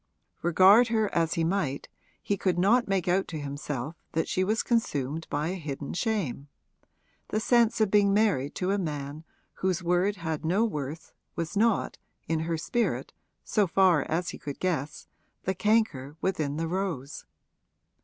Regard her as he might he could not make out to himself that she was consumed by a hidden shame; the sense of being married to a man whose word had no worth was not, in her spirit, so far as he could guess, the canker within the rose.